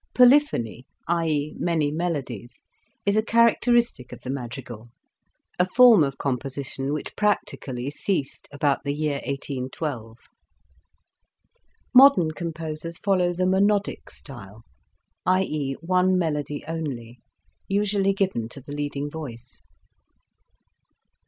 Polyphony, i.e. many melodies, is a character istic of the madrigal, a form of composition which practically ceased about the year 1812. Modern composers follow the rnonodic style, i.e. one melody only, usually given to the leading voice.